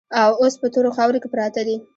او اوس په تورو خاورو کې پراته دي.